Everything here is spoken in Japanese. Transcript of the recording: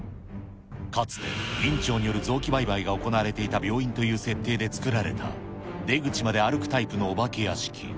かつて院長による臓器売買が行われていた病院という設定で作られた、出口まで歩くタイプのお化け屋敷。